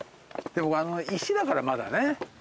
石だからまだね。